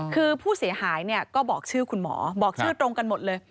คือผู้เสียหายก็บอกชื่อคุณหมอบอกชื่อตรงกันหมดเลย